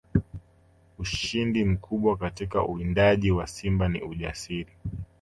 Ushindi mkubwa katika uwindaji wa simba ni ujasiri